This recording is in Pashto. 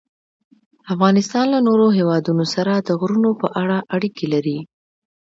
افغانستان له نورو هېوادونو سره د غرونو په اړه اړیکې لري.